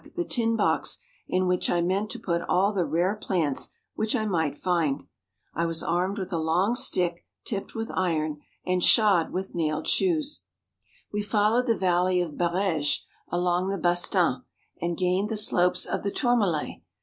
Ill the tin box in which I meant to put all the rare plants which I might find. I was armed with a long stick tipped with iron, and shod with nailed shoes. We followed the valley of Bareges, along the Bastan, and gained the slopes of the Tourmalet.